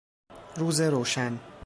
روز روشن